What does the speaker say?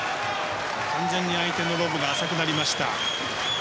完全に相手のロブが浅くなりました。